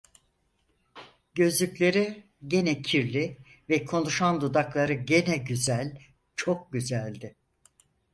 Gözlükleri gene kirli ve konuşan dudakları gene güzel, çok güzeldi.